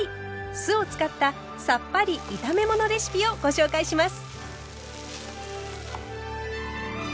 酢を使ったさっぱり炒め物レシピをご紹介します。